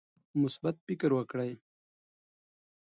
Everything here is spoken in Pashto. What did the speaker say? مثبت فکر وکړئ.